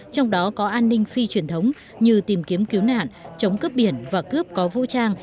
trong đó có an ninh phi truyền thống như tìm kiếm cứu nạn chống cướp biển và cướp có vũ trang